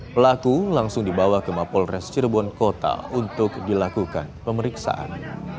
pelaku langsung dibawa ke mapolres cirebon kota untuk dilakukan pemeriksaan